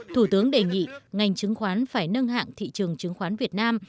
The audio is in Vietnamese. thủ tướng đề nghị ngành chứng khoán phải nâng hạng thị trường chứng khoán việt nam